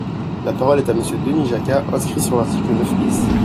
La parole est à Monsieur Denis Jacquat, inscrit sur l’article neuf bis.